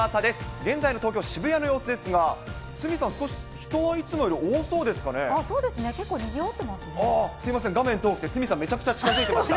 現在の東京・渋谷の様子ですが、鷲見さん、少し人はいつもより多そうですね、結構にぎわってすみません、画面遠くして、鷲見さん、めちゃくちゃ近づいていました。